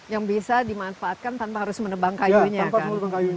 yang bisa dimanfaatkan tanpa harus menebang kayunya kan